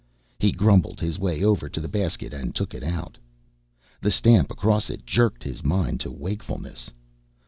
He grumbled his way over to the basket and took it out. The stamp across it jerked his mind to wakefulness.